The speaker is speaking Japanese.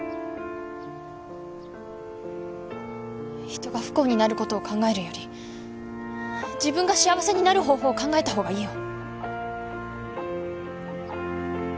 人が不幸になることを考えるより自分が幸せになる方法を考えた方がいいよ。